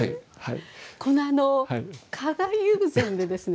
この「加賀友禅」でですね